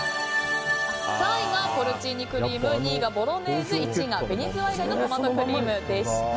３位はポルチーニクリーム２位がボロネーゼ１位が紅ずわい蟹のトマトクリームでした。